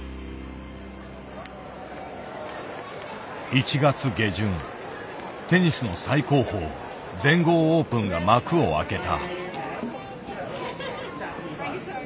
１月下旬テニスの最高峰全豪オープンが幕を開けた。